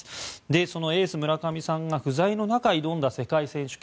そのエース、村上さんが不在の中挑んだ世界選手権。